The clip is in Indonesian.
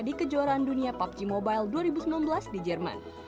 di kejuaraan dunia pubg mobile dua ribu sembilan belas di jerman